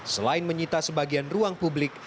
selain menyita sebagian ruang publik